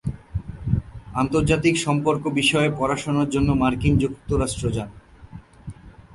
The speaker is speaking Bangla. আন্তর্জাতিক সম্পর্ক বিষয়ে পড়াশোনার জন্য মার্কিন যুক্তরাষ্ট্র যান।